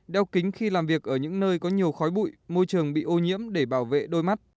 đeo kính khi làm việc ở những nơi có nhiều khói bụi môi trường bị ô nhiễm để bảo vệ đôi mắt